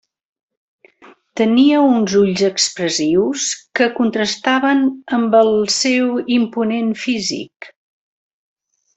Tenia uns ulls expressius que contrastaven amb el seu imponent físic.